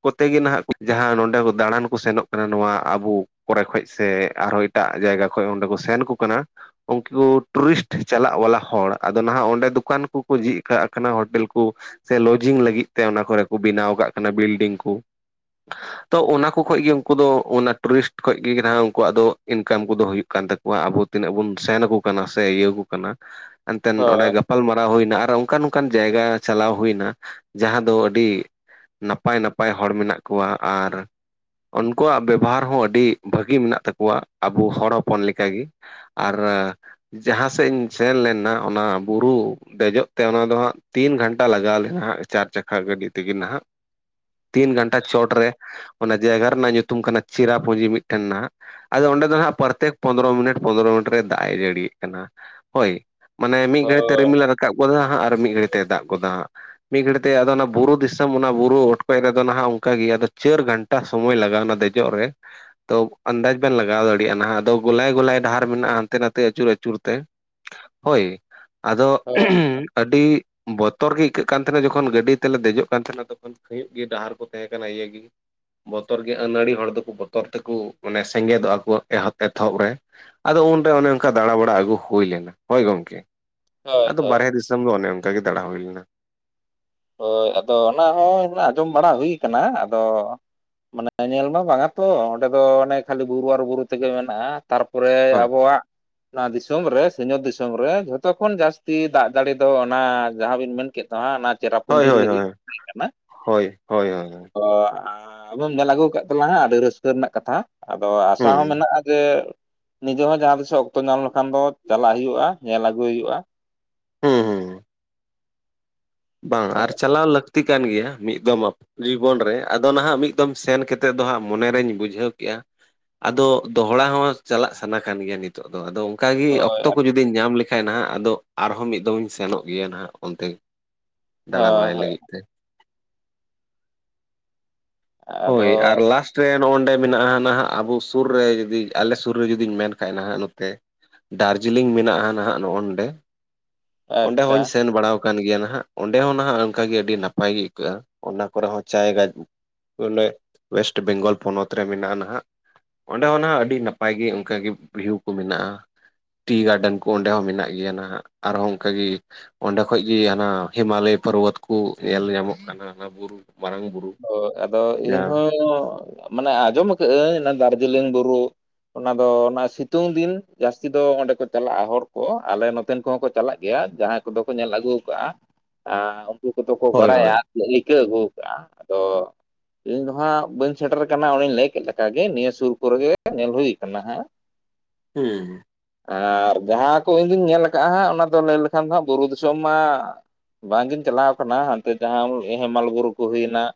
B: ᱠᱚᱛᱮ ᱜᱮ ᱱᱟ-ᱦᱟᱸᱜ ᱡᱟᱦᱟᱸ ᱱᱚᱰᱮ ᱫᱟᱲᱟᱱ ᱠᱚ ᱥᱮᱱᱚᱜ ᱠᱟᱱᱟ ᱱᱚᱣᱟ ᱟᱵᱚ ᱠᱚᱨᱮ ᱠᱷᱚᱡ ᱥᱮ ᱟᱨᱦᱚᱸ ᱮᱴᱟᱜ ᱡᱟᱭᱜᱟ ᱠᱷᱚᱱ ᱚᱸᱰᱮ ᱠᱚ ᱥᱮᱱ ᱠᱚ ᱠᱟᱱᱟ ᱩᱱᱠᱩ ᱠᱚ ᱴᱩᱨᱤᱥᱴ ᱪᱟᱞᱟᱜ ᱵᱟᱞᱟ ᱦᱚᱲ ᱟᱫᱚ ᱱᱟ-ᱦᱟᱸᱜ ᱚᱸᱰᱮ ᱫᱚᱠᱟᱱ ᱠᱚᱠᱚ ᱡᱷᱤᱡ ᱠᱟᱜ ᱠᱟᱱᱟ ᱦᱳᱴᱮᱞ ᱠᱚ ᱥᱮ ᱞᱚᱡᱤᱝ ᱞᱟᱹᱜᱤᱫ ᱛᱮ ᱚᱱᱟ ᱠᱚᱨᱮ ᱠᱚ ᱵᱮᱱᱟᱣ ᱠᱟᱜ ᱠᱟᱱᱟ ᱵᱤᱞᱰᱤᱝ ᱠᱚ
A: [inaudible]
B: ᱛᱚ ᱚᱱᱟ ᱠᱚ ᱠᱷᱚᱡ ᱜᱮ ᱩᱱᱠᱩ ᱫᱚ ᱚᱱᱟ ᱴᱩᱨᱤᱥᱴ ᱠᱷᱡ ᱜᱮ ᱱᱟ-ᱦᱟᱸᱜ ᱩᱱᱠᱩᱣᱟᱜ ᱫᱚ ᱤᱱᱠᱟᱢ ᱠᱚᱫᱚ ᱦᱩᱭᱩᱜ ᱠᱟᱱ ᱛᱟᱠᱚᱣᱟ ᱟᱵᱚ ᱛᱤᱱᱟᱹᱜ ᱵᱚᱱ ᱥᱮᱱ ᱟᱠᱚ ᱠᱟᱱᱟ ᱥᱮ ᱤᱭᱟᱹ ᱠᱚ ᱠᱟᱱᱟ ᱮᱱᱛᱮᱱ ᱚᱸᱰᱮ
A: ᱦᱳᱭ
B: ᱜᱟᱯᱟᱞ ᱢᱟᱨᱟᱣ ᱦᱩᱭᱱᱟ ᱟᱨ ᱚᱱᱠᱟᱱ ᱚᱱᱠᱟᱱ ᱡᱟᱭᱜᱟ ᱪᱟᱞᱟᱣ ᱦᱩᱭᱱᱟ ᱡᱟᱦᱟᱸ ᱫᱚ ᱟᱹᱰᱤ ᱱᱟᱯᱟᱭ ᱱᱟᱯᱟᱭ ᱦᱚᱲ ᱢᱮᱱᱟᱜ ᱠᱚᱣᱟ ᱟᱨ ᱩᱱᱠᱩᱣᱟᱜ ᱵᱮᱵᱷᱟᱨ ᱦᱚᱸ ᱟᱹᱰᱤ ᱵᱷᱟᱹᱜᱤ ᱢᱮᱱᱟᱜ ᱛᱟᱠᱚᱣᱟ ᱟᱵᱚ ᱦᱚᱲ ᱦᱚᱯᱚᱱ ᱞᱮᱠᱟᱜᱮ ᱟᱨᱻ ᱨᱟ ᱡᱟᱦᱟᱸ ᱥᱮᱫ ᱤᱧ ᱥᱮᱱ ᱞᱮᱱᱟ ᱚᱱᱟ ᱵᱩᱨᱩ ᱫᱮᱡᱚᱜ ᱛᱮ ᱚᱱᱟ ᱫᱚ ᱦᱟᱸᱜ ᱛᱤᱱ ᱜᱷᱚᱱᱴᱟ ᱞᱟᱜᱟᱣ ᱞᱮᱱᱟ ᱦᱟᱸᱜ ᱪᱟᱨ ᱪᱟᱠᱷᱟ ᱜᱟᱹᱰᱤ ᱛᱮᱜᱮ ᱱᱟ-ᱦᱟᱸᱜ ᱛᱤᱱ ᱜᱷᱟᱱᱴᱟ ᱪᱚᱴ ᱨᱮ ᱚᱱᱟ ᱡᱟᱭᱜᱟ ᱨᱮᱱᱟᱜ ᱧᱩᱛᱩᱢ ᱠᱟᱱᱟ ᱪᱤᱨᱟᱯᱩᱸᱡᱤ ᱢᱤᱫᱴᱮᱱ ᱨᱮᱱᱟᱜ ᱟᱫᱚ ᱚᱸᱰᱮ ᱫᱚ ᱦᱟᱸᱜ ᱯᱨᱚᱛᱛᱮᱠ ᱯᱚᱱᱫᱽᱨᱚ ᱢᱤᱱᱤᱴ ᱯᱚᱱᱫᱽᱨᱚ ᱢᱤᱱᱤᱴ ᱨᱮ ᱫᱟᱜ ᱮ ᱡᱟᱹᱲᱤᱭᱮᱫ ᱠᱟᱱᱟ ᱦᱳᱭ ᱢᱟᱱᱮ ᱢᱤᱫ ᱜᱷᱟᱹᱲᱤ ᱛᱮ
A: ᱦᱳᱭ
B: ᱨᱤᱢᱤᱞᱮ ᱨᱟ ᱨᱟᱠᱟᱵ ᱜᱚᱫᱟ ᱦᱟᱸᱜ ᱟᱨ ᱢᱤᱫ ᱜᱷᱟᱹᱲᱤ ᱛᱮ ᱫᱟᱜ ᱜᱚᱫᱟ ᱦᱟᱸᱜ ᱢᱤᱫ ᱜᱷᱟᱹᱲᱤᱡ ᱛᱮ ᱟᱫᱚ ᱚᱱᱟ ᱵᱩᱨᱩ ᱫᱤᱥᱚᱢ ᱚᱱᱟ ᱵᱩᱨᱩ [unintelligible] ᱨᱮᱫᱚ ᱱᱟ-ᱦᱟᱸᱜ ᱚᱱᱠᱟ ᱜᱮ ᱟᱫᱚ ᱪᱟᱹᱨ ᱜᱷᱚᱱᱴᱟ ᱥᱚᱢᱚᱭ ᱞᱟᱜᱟᱣ ᱱᱟ ᱚᱱᱟ ᱫᱮᱡᱚᱜ ᱨᱮ ᱛᱚ ᱟᱱᱫᱟᱡ ᱵᱮᱱ ᱞᱟᱜᱟᱣ ᱫᱟᱲᱮᱭᱟᱜᱼᱟ ᱱᱟᱦᱟᱜ ᱟᱫᱚ ᱜᱚᱞᱟᱭ ᱜᱚᱞᱟᱭ ᱰᱟᱦᱟᱨ ᱢᱮᱱᱟᱜᱼᱟ ᱦᱟᱱᱛᱮ ᱱᱟᱛᱮ ᱟᱹᱪᱩᱨ ᱟᱹᱪᱩᱨ ᱛᱮ ᱦᱳᱭ ᱟᱫᱚ
A: ᱦᱳᱭ
B: ᱟᱹᱰᱤ ᱵᱚᱛᱚᱨ ᱜᱮ ᱟᱹᱭᱠᱟᱹᱜ ᱠᱟᱱ ᱛᱟᱦᱮᱱᱟ ᱡᱚᱠᱷᱚᱱ ᱜᱟᱹᱰᱤ ᱛᱮᱞᱮ ᱫᱮᱡᱚᱜ ᱠᱟᱱ ᱛᱟᱦᱮᱱᱟ ᱛᱚᱠᱷᱚᱱ ᱦᱩᱭᱩᱜ ᱜᱮ ᱰᱟᱦᱟᱨ ᱠᱚ ᱛᱟᱦᱮᱸ ᱠᱟᱱᱟ ᱤᱭᱟᱹ ᱜᱮ ᱵᱚᱛᱚᱨ ᱜᱮ ᱟᱹᱱᱟᱲᱤ ᱦᱚᱲ ᱫᱚᱠᱚ ᱵᱚᱛᱚᱨ ᱛᱮᱠᱚ ᱢᱟᱱᱮ ᱥᱮᱸᱜᱮᱫᱚᱜᱼᱟ ᱠᱚ ᱮᱦᱚᱵ ᱮᱛᱚᱦᱚᱵ ᱨᱮ ᱟᱫᱚ ᱩᱱᱨᱮ ᱚᱱᱮ ᱚᱱᱠᱟ ᱫᱟᱸᱲᱟᱵᱟᱲᱟ ᱟᱹᱜᱩ ᱦᱩᱭ ᱞᱮᱱᱟ ᱦᱳᱭ ᱜᱚᱢᱠᱮ
A: ᱦᱳᱭ
B: ᱟᱫᱚ
A: ᱦᱳᱭ
B: ᱵᱟᱨᱦᱮ ᱫᱤᱥᱚᱢ ᱫᱚ ᱚᱱᱮ ᱚᱱᱠᱟ ᱜᱮ ᱫᱟᱲᱟ ᱦᱩᱭ ᱞᱮᱱᱟ
A: ᱦᱳᱭ ᱟᱫᱚ ᱚᱱᱟ ᱦᱚᱸ ᱟᱸᱡᱚᱢ ᱵᱟᱲᱟ ᱦᱩᱭ ᱠᱟᱱᱟ ᱟᱫᱚ ᱢᱟᱱᱮ ᱧᱮᱞ ᱢᱟ ᱵᱟᱝ-ᱟ ᱛᱚ ᱚᱸᱰᱮ ᱫᱚ ᱚᱱᱮ ᱠᱷᱟᱹᱞᱤ ᱵᱩᱨᱩ ᱟᱨ ᱵᱩᱨᱩ ᱛᱮᱜᱮ ᱢᱮᱱᱟᱜᱼᱟ ᱛᱟᱨᱯᱚᱨᱮ
B: ᱵᱟᱝ
A: ᱟᱵᱚᱣᱟᱜ ᱚᱱᱟ ᱫᱤᱥᱚᱢ ᱨᱮ ᱥᱤᱧᱚᱛ ᱫᱤᱥᱚᱢ ᱨᱮ ᱡᱷᱚᱛᱚ ᱠᱷᱚᱱ ᱡᱟᱹᱥᱛᱤ ᱫᱟᱜ ᱡᱟᱲᱤ ᱫᱚ ᱚᱱᱟ ᱡᱟᱦᱟᱸᱵᱤᱱ ᱢᱮᱱ ᱠᱮᱫ-ᱟ ᱚᱱᱟ ᱪᱮᱨᱟ
B: ᱦᱳᱭ ᱦᱳᱭ ᱦᱳᱭ ᱦᱳᱭ ᱦᱳᱭ ᱦᱳᱭ
A: ᱛᱚ ᱟ ᱟᱵᱚᱢ ᱧᱮᱞ ᱟᱹᱜᱩ ᱟᱠᱟᱫ ᱛᱟᱞᱟᱝ-ᱟ ᱟᱹᱰᱤ ᱨᱟᱹᱥᱠᱟᱹ ᱨᱮᱱᱟᱜ ᱠᱟᱛᱷᱟ ᱟᱫᱚ ᱟᱥᱟ
B: ᱦᱩᱸ
A: ᱦᱚᱸ ᱢᱮᱱᱟᱜᱼᱟ ᱡᱮ ᱱᱤᱡᱮ ᱦᱚᱸ ᱡᱟᱦᱟᱸ ᱛᱤᱥᱚᱜ ᱚᱠᱛᱚ ᱧᱟᱢ ᱞᱮᱠᱷᱟᱱ ᱫᱚ ᱪᱟᱞᱟᱜ ᱦᱩᱭᱩᱜᱼᱟ ᱧᱮᱞ ᱟᱹᱜᱩᱭ ᱦᱩᱭᱩᱜᱼᱟ
B: ᱦᱩᱸ ᱦᱩᱸ ᱵᱟᱝ ᱟᱨ
A: ᱦᱳᱭ
B: ᱪᱟᱞᱟᱣ ᱞᱟᱹᱠᱛᱤ ᱠᱟᱱ ᱜᱮᱭᱟ ᱢᱤᱫ ᱫᱚᱢ ᱡᱤᱵᱚᱱ ᱨᱮ ᱟᱫᱚ ᱱᱟ-ᱦᱟᱸᱜ ᱢᱤᱫ ᱫᱚᱢ ᱥᱮᱱ ᱠᱟᱛᱮᱫ ᱫᱚ ᱦᱟᱸᱜ ᱢᱚᱱᱮᱨᱤᱧ ᱵᱩᱡᱷᱟᱹᱣ ᱠᱮᱜᱼᱟ ᱟᱫᱚ ᱫᱚᱦᱲᱟ ᱦᱚᱸ ᱪᱟᱞᱟᱜ ᱥᱟᱱᱟ ᱠᱟᱱ ᱜᱮᱭᱟ ᱱᱤᱛᱳᱜ ᱫᱚ ᱟᱫᱚ ᱚᱱᱠᱟ ᱜᱮ
A: ᱦᱳᱭ
B: ᱚᱠᱛᱚ ᱠᱚ ᱡᱩᱫᱤ ᱫᱤᱧ ᱧᱟᱢ ᱞᱮᱠᱷᱟᱡ ᱱᱟ-ᱦᱟᱸᱜ ᱟᱫᱚ ᱟᱨᱦᱚᱸ ᱢᱤᱫ ᱫᱚᱢ ᱤᱧ ᱥᱮᱱᱚᱜ ᱜᱮᱭᱟ ᱱᱟ-ᱦᱟᱸᱜ ᱚᱱᱛᱮ ᱫᱟᱬᱟ ᱵᱟᱲᱟᱭ
A: ᱦᱳᱭ
B: ᱞᱟᱹᱜᱤᱫ ᱛᱮ ᱾
A: ᱟᱫᱚ
B: ᱦᱳᱭ ᱟᱨ ᱞᱟᱥᱴ ᱨᱮ ᱱᱚᱜ ᱚᱸᱰᱮ ᱢᱮᱱᱟᱜᱼᱟ ᱱᱟᱦᱟᱜ ᱟᱵᱚ ᱥᱩᱨ ᱨᱮ ᱡᱩᱫᱤ ᱟᱞᱮ ᱥᱩᱨ ᱨᱮ ᱡᱩᱫᱤ ᱢᱮᱱ ᱠᱷᱟᱡ ᱱᱟᱦᱟᱜ ᱱᱚᱛᱮ ᱾ ᱫᱟᱨᱡᱤᱞᱤᱝ ᱢᱮᱱᱟᱜᱼᱟ ᱱᱟᱦᱟᱜ ᱱᱚᱜᱼ ᱱᱚᱰᱮ ᱚᱸᱰᱮ
A: ᱟᱪᱪᱷᱟ
B: ᱦᱚᱧ ᱥᱮᱱ ᱵᱟᱲᱟᱣ ᱠᱟᱱ ᱜᱮᱭᱟ ᱱᱟᱦᱟᱜ ᱚᱸᱰᱮ ᱦᱚᱸ ᱱᱟᱦᱟᱜ ᱚᱱᱠᱟ ᱜᱮ ᱟᱹᱰᱤ ᱱᱟᱯᱟᱭ ᱜᱮ ᱟᱹᱭᱠᱟᱹᱜᱼᱟ, ᱚᱱᱟ ᱠᱚᱨᱮ ᱦᱚᱸ ᱪᱟᱭ ᱜᱟᱡ ᱵᱚᱞᱮ ᱚᱭᱮᱥᱴ ᱵᱮᱝᱜᱚᱞ ᱯᱚᱱᱚᱛ ᱨᱮ ᱢᱮᱱᱟᱜᱼᱟ ᱱᱟᱦᱟᱜ᱾ ᱚᱸᱰᱮ ᱦᱚᱸ ᱟᱹᱰᱤ ᱱᱟᱯᱟᱭ ᱜᱮ ᱚᱱᱠᱟ ᱜᱮ ᱵᱷᱤᱭᱩ ᱠᱚ ᱢᱮᱱᱟᱜᱼᱟ ᱾ ᱴᱤ ᱜᱟᱨᱰᱮᱱ ᱠᱚ ᱚᱸᱰᱮ ᱦᱚᱸ ᱢᱮᱱᱟᱜ ᱜᱮᱭᱟ, ᱟᱨᱦᱚᱸ ᱚᱱᱠᱟ ᱜᱮ ᱚᱸᱰᱮ ᱠᱷᱚᱡ ᱜᱤ ᱦᱟᱱᱟ ᱦᱤᱢᱟᱞᱚᱭ ᱯᱚᱨᱵᱚᱛ ᱠᱚ ᱧᱮᱞ ᱧᱟᱢᱚᱜ ᱠᱟᱱᱟ ᱚᱱᱟ ᱵᱩᱨᱩ ᱢᱟᱨᱟᱝ ᱵᱩᱨᱩ ᱾
A: ᱦᱳᱭ ᱟᱫᱚ ᱤᱧ ᱦᱚᱸ ᱢᱟᱱᱮ ᱟᱸᱡᱚᱢ ᱟᱠᱟᱜ ᱟᱹᱧ ᱚᱱᱟ ᱫᱟᱨᱡᱤᱞᱤᱝ ᱵᱩᱨᱩ ᱚᱱᱟ ᱫᱚ ᱚᱱᱟ ᱥᱤᱛᱩᱝ ᱫᱤᱱ ᱡᱟᱹᱥᱛᱤ ᱫᱚ ᱚᱸᱰᱮ ᱠᱚ ᱪᱟᱞᱟᱜᱼᱟ ᱦᱚᱲ ᱠᱚ ᱟᱞᱮ ᱱᱚᱛ ᱱᱚᱛᱮᱱ ᱠᱚᱦᱚᱸ ᱠᱚ ᱪᱟᱞᱟᱜ ᱜᱮᱭᱟ ᱡᱟᱦᱟᱸᱭ ᱠᱚᱫᱚ ᱠᱚ ᱧᱮᱞ ᱟᱹᱜᱩ ᱠᱟᱜᱼᱟ ᱾ ᱩᱱᱠᱩ ᱠᱚᱫᱚ ᱠᱚ
B: ᱦᱳᱭ ᱦᱳᱭ
A: ᱵᱟᱲᱟᱭᱟ ᱨᱤᱠᱟᱹ ᱟᱹᱜᱩ ᱠᱟᱜᱼᱟ, ᱟᱫᱚ ᱤᱧ ᱫᱚ ᱦᱟᱸᱜ ᱵᱟᱹᱧ ᱥᱮᱴᱮᱨ ᱟᱠᱟᱱᱟ, ᱚᱱᱮᱧ ᱞᱟᱹᱭ ᱠᱮᱫ ᱞᱮᱠᱟ ᱜᱮ ᱱᱤᱭᱟᱹ ᱥᱩᱨ ᱠᱚᱨᱮᱜ ᱜᱮ ᱧᱮᱞ ᱦᱩᱭ ᱟᱠᱟᱱᱟ ᱦᱟᱸᱜ ᱾ [inaudible]
B: ᱦᱩᱸ ᱾
A: ᱟᱨ ᱡᱟᱦᱟᱸ ᱠᱚ ᱤᱧ ᱫᱩᱧ ᱧᱮᱞ ᱟᱠᱟᱟᱜᱼᱟ ᱦᱟᱸᱜ ᱚᱱᱟ ᱫᱚ ᱞᱟᱹᱭ ᱞᱮᱠᱷᱟᱱ ᱫᱚ ᱦᱟᱸᱜ ᱵᱩᱨᱩ ᱫᱤᱥᱚᱢ ᱢᱟᱜ ᱵᱟᱝᱜᱤᱧ ᱪᱟᱞᱟᱣ ᱟᱠᱟᱱᱟ, ᱦᱟᱱᱛᱮ ᱡᱟᱦᱟᱸ ᱦᱮᱢᱟᱞ ᱵᱩᱨᱩ ᱠᱚ ᱦᱩᱭᱱᱟ ᱾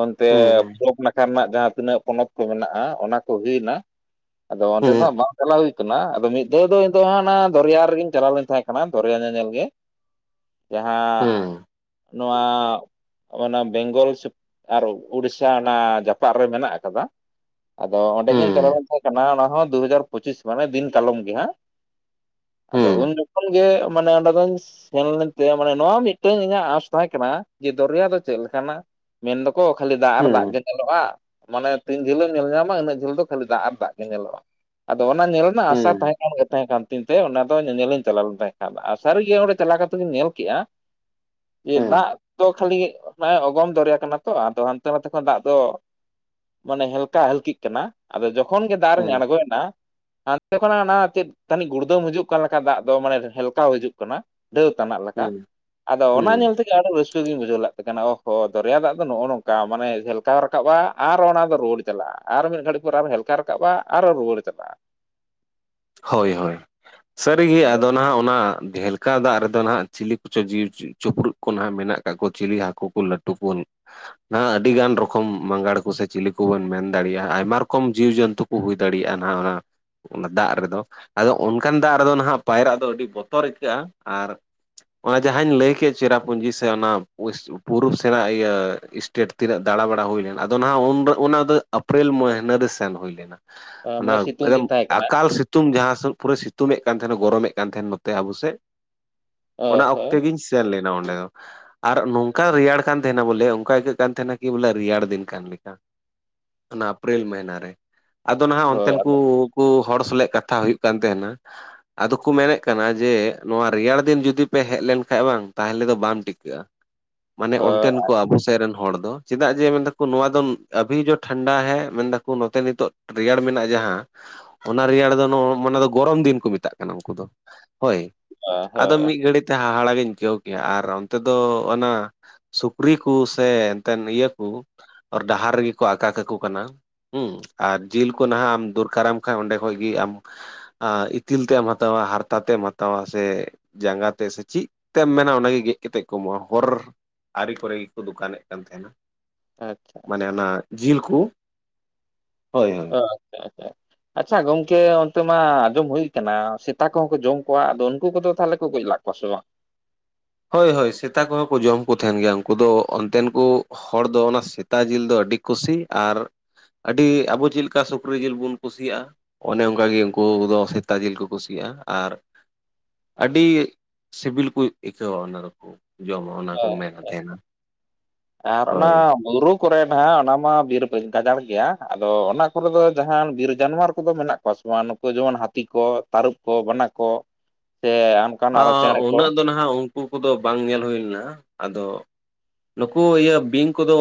A: ᱚᱱᱛᱮ
B: ᱦᱩᱸ ᱦᱩᱸ
A: ᱯᱚᱨᱚᱵᱽ ᱱᱟᱠᱷᱟ ᱨᱮᱱᱟᱜ ᱡᱟᱦᱟᱸ ᱛᱤᱱᱟᱹᱜ ᱯᱚᱱᱚᱛ ᱠᱚ ᱢᱮᱱᱟᱜᱼᱟ ᱚᱱᱟ ᱠᱚᱜᱮ ᱱᱟᱜ ᱾ ᱟᱫᱚ ᱚᱱᱛᱮ ᱫᱚ
B: ᱦᱩᱸ
A: ᱦᱟᱸᱜ ᱵᱟᱝ ᱪᱟᱞᱟᱣ ᱦᱩᱭ ᱠᱟᱱᱟ ᱾ ᱟᱫᱚ ᱢᱤᱫ ᱫᱷᱟᱹᱣ ᱫᱚ ᱤᱧ ᱫᱚ ᱦᱟᱸᱜ ᱚᱱᱟ ᱫᱚᱨᱭᱟ ᱨᱮᱜᱤᱧ ᱪᱟᱞᱟᱣ ᱞᱮᱱ ᱛᱟᱦᱮᱸ ᱾ ᱦᱟᱱᱟ ᱫᱚᱨᱭᱟ ᱧᱮᱞ ᱧᱮᱞ ᱜᱮ ᱾ ᱡᱟᱦᱟᱸ ᱱᱚᱣᱟ ᱚᱱᱟ ᱵᱮᱝᱜᱚᱞ ᱥᱮ, ᱟᱨ ᱩᱲᱤᱥᱥᱟ ᱚᱱᱟ ᱡᱟᱯᱟᱜ ᱨᱮ ᱢᱮᱱᱟᱜ ᱟᱠᱟᱫᱟ ᱾ ᱟᱫᱚ ᱚᱱᱰᱮ ᱜᱤᱧ ᱪᱟᱞᱟᱣ
B: ᱦᱩᱸ
A: ᱞᱮᱱ ᱛᱟᱦᱮᱸ ᱠᱟᱱᱟ, ᱚᱱᱟ ᱦᱚᱸ ᱫᱩ ᱦᱟᱡᱟᱨ ᱯᱚᱸᱪᱤᱥ ᱢᱟᱱᱮ ᱫᱤᱱ ᱠᱟᱞᱚᱢ ᱜᱮ ᱦᱟᱸᱜ ᱾ ᱟᱫᱚ
B: ᱦᱩᱸ
A: ᱩᱱ ᱡᱩᱠᱷᱟᱱ ᱜᱮ, ᱢᱟᱱᱮ ᱚᱸᱰᱮ ᱫᱚᱧ ᱥᱮᱱ ᱞᱮᱱ ᱛᱮ ᱢᱟᱱᱮ ᱱᱚᱣᱟ ᱢᱤᱫᱴᱟᱝ ᱤᱧᱟᱹᱜ ᱟᱥ ᱛᱟᱦᱮᱸ ᱠᱟᱱᱟ, ᱡᱮ ᱫᱚᱨᱭᱟ ᱫᱚ ᱪᱮᱫ ᱞᱮᱠᱟᱱᱟ ᱾ ᱢᱮᱱ ᱫᱚᱠᱚ ᱠᱷᱟᱹᱞᱤ ᱫᱟᱜ
B: ᱦᱩᱸ
A: ᱟᱨ ᱫᱟᱜ
B: ᱦᱩᱸ
A: ᱜᱮ ᱧᱟᱞᱚᱜᱼᱟ ᱾ ᱢᱟᱱᱮ ᱛᱤᱱ ᱡᱷᱟᱹᱞᱮᱢ ᱧᱮᱞ ᱧᱟᱢᱟ ᱩᱱᱟᱹᱜ ᱡᱷᱟᱹᱞ ᱫᱚ ᱠᱷᱟᱹᱞᱤ ᱫᱟᱜ ᱟᱨ ᱫᱟᱜ ᱜᱮ ᱧᱮᱞᱚᱜᱼᱟ ᱾ ᱟᱫᱚ ᱚᱱᱟ ᱧᱮᱞ ᱨᱮᱱᱟᱜ ᱟᱥᱟ ᱛᱟᱦᱮᱸ ᱜᱮ ᱛᱟᱦᱮᱸ ᱠᱟᱱ ᱛᱤᱧ ᱛᱮ ᱚᱱᱟ ᱫᱚ ᱧᱮᱧᱮᱞᱤᱧ ᱪᱟᱞᱟᱣ ᱞᱮᱱ ᱛᱟᱦᱮᱸ ᱟᱨ ᱥᱟᱹᱨᱤᱜᱮ ᱚᱸᱰᱮ ᱪᱟᱞᱟᱣ ᱠᱟᱛᱮ ᱜᱤᱧ ᱧᱮᱞ ᱠᱮᱜᱼᱟ ᱾ ᱡᱮ
B: ᱦᱩᱸ
A: ᱫᱟᱜ ᱫᱚ ᱠᱷᱟᱹᱞᱤ ᱱᱚᱜᱼᱚᱭ ᱚᱜᱚᱢ ᱫᱚᱨᱭᱟ ᱠᱟᱱᱟ ᱾ ᱟᱫᱚ ᱦᱟᱱᱛᱮ ᱱᱟᱛᱮ ᱠᱷᱚᱱ ᱫᱟᱜ ᱫᱚ ᱢᱟᱱᱮ ᱦᱮᱞᱠᱟ ᱦᱮᱞᱠᱤᱜ ᱠᱟᱱᱟ ᱟᱫᱚ ᱡᱚ ᱠᱷᱚᱱ ᱜᱮ ᱫᱟᱜᱨᱮᱧ
B: ᱦᱩᱸ
A: ᱟᱲᱜᱚᱭᱮᱱᱟ ᱾ ᱪᱮ ᱠᱟᱱᱟ ᱚᱱᱟ ᱪᱮᱫ ᱛᱟᱹᱱᱤ ᱜᱩᱲᱫᱟᱹᱢ ᱦᱤᱡᱩᱜ ᱠᱟᱱ ᱞᱮᱠᱟ ᱫᱟᱜ ᱫᱚ ᱢᱟᱱᱮ ᱦᱮᱞᱠᱟᱣ ᱦᱤᱡᱩᱜ ᱠᱟᱱᱟ ᱾ ᱰᱟᱹᱣ ᱛᱟᱱᱟᱜ ᱞᱮᱠᱟ,
B: ᱦᱩᱸ
A: ᱟᱫᱚ ᱚᱱᱟ
B: ᱦᱩᱸ
A: ᱧᱮᱞ ᱛᱮᱜᱮ ᱟᱹᱰᱤ ᱨᱟᱹᱥᱠᱟᱹᱜ ᱜᱤᱧ ᱵᱩᱡᱷᱟᱹᱣ ᱞᱮᱫ ᱛᱟᱦᱮᱸ ᱠᱟᱱᱟ, ᱚᱦᱚ ᱫᱚᱨᱭᱟ ᱫᱟᱜ, ᱱᱚᱜᱼᱚᱭ ᱱᱚᱝᱠᱟ ᱢᱟᱱᱮ ᱦᱮᱞᱠᱟᱣ ᱨᱟᱠᱟᱵᱼᱟ ᱟᱨ ᱚᱱᱟ ᱫᱚ ᱨᱩᱣᱟᱹᱲ ᱪᱟᱞᱟᱜᱼᱟ ᱟᱨ ᱢᱤᱫ ᱜᱷᱟᱹᱲᱤᱡ ᱯᱚᱨ ᱟᱨᱚ ᱦᱮᱞᱠᱟ ᱦᱮᱞᱠᱟᱣ ᱨᱟᱠᱟᱵᱼᱟ ᱟᱨᱚ ᱨᱩᱣᱟᱹᱲ ᱪᱟᱞᱟᱜᱼᱟ ᱾
B: ᱦᱳᱭ ᱦᱳᱭ ᱾ ᱥᱟᱹᱨᱤᱜᱮ ᱟᱫᱚ ᱱᱟᱦᱟᱜ ᱚᱱᱟ ᱰᱷᱮᱞ ᱠᱟ ᱫᱟᱜ ᱨᱮᱫᱚ ᱦᱟᱸᱜ ᱪᱤᱞᱤ ᱠᱚᱪᱚ ᱡᱤᱣᱤ ᱪᱤᱯᱨᱩᱫ ᱠᱚ ᱱᱟᱜ ᱢᱮᱱᱟᱜ ᱠᱟᱜ ᱠᱚ ᱪᱤᱞᱤ ᱦᱟᱹᱠᱩ ᱠᱚ ᱞᱟᱹᱴᱩ ᱠᱚ, ᱦᱟᱸᱜ ᱟᱹᱰᱤ ᱜᱟᱱ ᱨᱚᱠᱚᱢ ᱢᱟᱸᱜᱟᱲ ᱠᱚ ᱥᱮ ᱪᱤᱞᱤ ᱠᱚᱵᱚᱱ ᱢᱮᱱ ᱫᱟᱲᱮᱭᱟᱜᱼᱟ ᱟᱭᱢᱟ ᱨᱚᱠᱚᱢ ᱡᱤᱣᱤᱡᱚᱱᱛᱩ ᱾ ᱠᱩ ᱦᱩᱭ ᱫᱟᱲᱮᱭᱟᱜᱼᱟ ᱱᱟᱦᱟᱜ ᱚᱱᱟ ᱚᱱᱟ ᱫᱟᱜ ᱨᱮᱫᱚ, ᱟᱫᱚ ᱚᱱᱠᱟᱱ ᱫᱟᱜ ᱨᱮᱫᱚ ᱱᱟᱦᱟᱜ ᱯᱟᱭᱨᱟᱜ ᱫᱚ ᱟᱹᱰᱤ ᱵᱚᱛᱚᱨ ᱟᱹᱭᱤᱠᱟᱹᱜᱼᱟ ᱟᱨ, ᱚᱱᱟ ᱡᱟᱦᱟᱸᱧ ᱞᱟᱹᱭ ᱠᱮᱫ ᱪᱮᱨᱟ ᱯᱩᱸᱡᱤ ᱥᱮ ᱚᱱᱟ ᱯᱩᱨᱩᱵ ᱥᱮᱱᱟᱜ ᱤᱭᱟᱹ ᱤᱥᱴᱮᱴ ᱛᱤᱱᱟᱹᱜ ᱫᱟᱬᱟᱵᱟᱲᱟ ᱦᱩᱭ ᱞᱮᱱᱟ ᱟᱫᱚ ᱱᱟᱜ ᱚᱱᱟ ᱫᱚ ᱮᱯᱨᱤᱞ ᱢᱟᱹᱦᱱᱟᱹ ᱨᱮ ᱥᱮᱱ ᱦᱩᱭ ᱞᱮᱱᱟ, ᱚᱱᱟ
A: ᱢᱟᱱᱮ ᱥᱤᱛᱩᱝ
B: ᱮᱠᱫᱚᱢ
A: ᱫᱤᱱ ᱛᱟᱦᱮᱸ ᱠᱟᱱᱟ
B: ᱮᱠᱟᱞ ᱥᱤᱛᱩᱝ ᱡᱟᱦᱟᱸ ᱥᱮᱫ ᱯᱩᱨᱟᱹ ᱥᱤᱛᱩᱝ ᱮᱫ ᱠᱟᱱ ᱛᱟᱦᱮᱱᱟ ᱜᱚᱨᱚᱢᱮᱫ ᱠᱟᱱ ᱛᱟᱦᱮᱱ ᱱᱚᱛᱮ ᱟᱵᱚ ᱥᱮᱫ ᱾
A: ᱦᱳᱭ
B: ᱚᱱᱟ
A: ᱦᱳᱭ
B: ᱚᱠᱛᱮ ᱜᱤᱧ ᱥᱮᱱ ᱞᱮᱱᱟ ᱚᱸᱰᱮ ᱦᱚᱸ ᱾ ᱟᱨ ᱱᱚᱝᱠᱟ ᱨᱮᱭᱟᱲ ᱠᱟᱱ ᱛᱟᱦᱮᱱᱟ, ᱵᱚᱞᱮ ᱚᱱᱠᱟ ᱟᱹᱭᱠᱟᱹᱜ ᱠᱟᱱ ᱛᱟᱦᱮᱱᱟ ᱠᱤ ᱵᱚᱞᱮ ᱨᱮᱭᱟᱲ ᱫᱤᱱ ᱠᱟᱱ ᱞᱮᱠᱟ ᱾ ᱚᱱᱟ ᱮᱯᱨᱤᱞ ᱢᱟᱹᱦᱱᱟᱹ ᱨᱮ ᱾ ᱟᱫᱚ ᱱᱟᱦᱟᱜ ᱚᱱᱛᱮᱱ ᱠᱩ ᱩᱱᱠᱩ ᱦᱚᱲ ᱥᱚᱞᱮᱜ ᱠᱟᱛᱷᱟ ᱦᱩᱭᱩᱜ ᱠᱟᱱ ᱛᱟᱦᱮᱱᱟ, ᱟᱫᱚ ᱠᱚ ᱢᱮᱱᱮᱫ ᱠᱟᱱᱟ ᱡᱮ ᱱᱚᱣᱟ ᱨᱮᱭᱟᱲ ᱫᱤᱱ ᱡᱩᱫᱤ ᱯᱮ ᱦᱮᱡ ᱞᱮᱱᱠᱷᱟᱱ ᱵᱟᱝ ᱛᱟᱦᱚᱞᱮ ᱫᱚ ᱵᱟᱢ ᱴᱤᱠᱟᱹᱜᱼᱟ ᱾
A: [inaudible]
B: ᱢᱟᱱᱮ
A: ᱦᱳᱭ
B: ᱚᱱᱛᱮᱱ ᱠᱚ ᱟᱵᱚ ᱥᱮᱫ ᱨᱮᱱ, ᱦᱚᱲ ᱫᱚ ᱪᱮᱫᱟᱜ ᱡᱮ ᱢᱮᱱ ᱫᱟᱠᱚ ᱱᱚᱣᱟ ᱫᱚ ᱟᱵᱷᱤ ᱡᱚ ᱴᱷᱟᱱᱰᱟ ᱦᱮ ᱢᱮᱱ ᱫᱟᱠᱚ ᱱᱚᱛᱮ ᱱᱤᱛᱚᱜ, ᱨᱮᱭᱟᱲ ᱢᱮᱱᱟᱜᱼᱟ ᱡᱟᱦᱟᱸ ᱚᱱᱟ ᱨᱮᱭᱟᱲ ᱫᱚ ᱢᱟᱱᱮ ᱫᱚ ᱜᱚᱨᱚᱢ ᱫᱤᱱ ᱠᱚ ᱢᱮᱛᱟᱜ ᱠᱟᱱᱟ ᱩᱱᱠᱩ ᱫᱚ ᱾ ᱦᱳᱭ ᱟᱫᱚ
A: ᱦᱳᱭ
B: ᱢᱤᱫ ᱜᱷᱟᱹᱲᱤᱛᱮ ᱦᱟᱦᱟᱲᱟᱜᱤᱧ ᱟᱹᱭᱠᱟᱹᱣ ᱠᱮᱭᱟ ᱟᱨ ᱚᱱᱛᱮ ᱫᱚ ᱚᱱᱟ, ᱥᱩᱠᱨᱤ ᱠᱚ ᱥᱮ ᱮᱱᱛᱮᱱ ᱤᱭᱟᱹ ᱠᱚ, ᱦᱚᱨ ᱰᱟᱦᱟᱨ ᱨᱮᱜᱮ ᱠᱚ ᱟᱠᱟᱠᱚ ᱠᱟᱱᱟ ᱦᱮᱸ ᱟᱨ ᱡᱤᱞ ᱠᱚ ᱱᱟᱦᱟᱜ ᱟᱢ ᱫᱚᱨ ᱠᱟᱨᱟᱢ ᱠᱷᱟᱱ ᱚᱸᱰᱮ ᱠᱷᱚᱡ ᱜᱮ ᱟᱢ ᱤᱛᱤᱞ ᱛᱮᱢ ᱦᱟᱛᱟᱣᱟ ᱦᱟᱨᱛᱟ ᱛᱮᱢ ᱦᱟᱛᱟᱣᱟ ᱥᱮ ᱡᱟᱸᱜᱟ ᱛᱮ ᱥᱮ ᱪᱮᱫ ᱛᱮᱢ ᱢᱮᱱᱟ ᱚᱱᱟᱜᱮ ᱜᱮᱫᱛᱮᱫ ᱠᱚ ᱮᱢᱚᱜᱼᱟ ᱦᱚᱨ, ᱟᱨᱤ ᱠᱚᱨᱮ ᱜᱮᱠᱚ ᱫᱚᱠᱟᱱᱮᱫ ᱠᱟᱱ ᱛᱟᱦᱮᱱᱟ ᱾
A: ᱟᱪᱪᱷᱟ,
B: ᱢᱟᱱᱮ ᱚᱱᱟ ᱡᱤᱞ ᱠᱩ ᱦᱳᱭ ᱾
A: ᱟᱪᱪᱷᱟ, ᱟᱪᱪᱷᱟ, ᱟᱪᱪᱷᱟ ᱜᱚᱢᱠᱮ ᱚᱱᱛᱮ ᱢᱟ ᱟᱸᱡᱚᱢ ᱦᱩᱭ ᱟᱠᱟᱱᱟ ᱥᱮᱛᱟ ᱠᱚᱦᱚᱸ ᱠᱚ ᱡᱚᱢ ᱠᱚᱣᱟ ᱟᱫᱚ ᱩᱱᱠᱩ ᱠᱚᱫᱚ ᱛᱟᱦᱚᱞᱮ, ᱦᱟᱹᱠᱩ ᱠᱚ ᱞᱟᱜ ᱠᱚᱣᱟ ᱥᱮ ᱵᱟᱝ?
B: ᱦᱳᱭ ᱦᱳᱭ ᱥᱮᱛᱟ ᱠᱚᱦᱚᱸ ᱠᱚ ᱡᱚᱢ ᱠᱚ ᱛᱟᱦᱮᱱ ᱜᱮᱭᱟ ᱩᱱᱠᱩ ᱫᱚ ᱚᱱᱛᱮᱱ ᱠᱩ ᱦᱚᱲ ᱫᱚ ᱚᱱᱟ ᱥᱮᱛᱟ ᱡᱤᱞ ᱫᱚ ᱟᱹᱰᱤ ᱠᱩᱥᱤ ᱟᱨ, ᱟᱹᱰᱤ ᱟᱵᱚ ᱪᱮᱫ ᱞᱮᱠᱟ ᱥᱩᱠᱨᱤ ᱡᱤᱞ ᱵᱚᱱ ᱠᱩᱥᱤᱭᱟᱜᱼᱟ ᱾ ᱚᱱᱮ ᱚᱱᱠᱟ ᱜᱮ ᱩᱱᱠᱩ ᱫᱚ ᱥᱮᱛᱟ ᱡᱤᱞ ᱠᱚ ᱠᱩᱥᱤᱭᱟᱜᱼᱟ ᱟᱨ ᱟᱹᱰᱤ ᱥᱤᱵᱤᱞ ᱠᱚ ᱟᱹᱭᱠᱟᱹᱣᱟ ᱚᱱᱟ ᱫᱚᱠᱚ ᱡᱚᱢᱟ
A: ᱚ
B: ᱚᱱᱟ ᱠᱚ ᱢᱮᱱᱟ
A: ᱟᱪᱪᱷᱟ ᱟᱪᱪᱷᱟ
B: ᱛᱟᱦᱮᱱᱟ
A: ᱟᱨ ᱚᱱᱟ
B: ᱦᱳᱭ
A: ᱵᱷᱩᱩᱨᱩᱩ [inaudible] ᱠᱚᱨᱮ ᱱᱟᱦᱟᱜ ᱚᱱᱟ ᱢᱟ ᱵᱤᱨ ᱜᱟᱡᱟᱲ ᱜᱮᱭᱟ ᱟᱫᱚ ᱚᱱᱟ ᱠᱚᱨᱮ ᱫᱚ ᱡᱟᱦᱟᱱ ᱵᱤᱨ ᱡᱟᱱᱣᱟᱨ ᱠᱚᱫᱚ ᱢᱮᱱᱟᱜ ᱠᱚᱣᱟ ᱠᱚ ᱥᱮ ᱵᱟᱝ ᱱᱩᱠᱩ ᱡᱮᱢᱚᱱ ᱦᱟᱹᱛᱤ ᱠᱚ ᱛᱟᱹᱨᱩᱵ ᱠᱚ ᱵᱟᱱᱟ ᱠᱚ ᱥᱮ ᱟᱨᱚ
B: ᱟᱸᱻ
A: ᱪᱮᱬᱮ ᱠᱚ
B: ᱩᱱᱟᱹᱜ ᱫᱚ ᱱᱟᱦᱟᱜ ᱩᱱᱠᱩ ᱠᱚᱫᱚ ᱵᱟᱝ ᱧᱮᱞ ᱦᱩᱭ ᱞᱮᱱᱟ ᱟᱫᱚ ᱱᱩᱠᱩ ᱤᱭᱟᱹ ᱵᱤᱧ ᱠᱚᱫᱚ